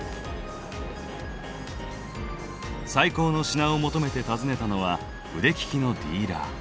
最高の品を求めて訪ねたのは腕利きのディーラー。